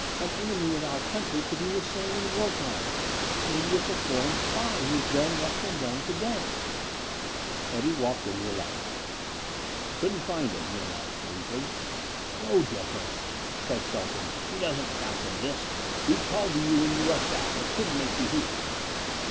An enemy of our country could do the same in wartime. Maybe it's a foreign spy who has done what's been done to day." Eddie walked into the laboratory. "Couldn't find him," he announced briefly. "No difference," said Shelton. "He doesn't count in this. We called to you when you rushed out, but couldn't make you hear."